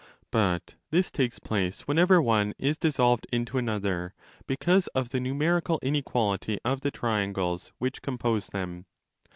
But this takes place whenever one is dissolved into another, because of the numerical inequality of the triangles which compose them.!